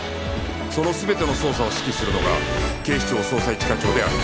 その全ての捜査を指揮するのが警視庁捜査一課長である